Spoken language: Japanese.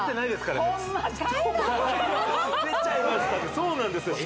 そうなんです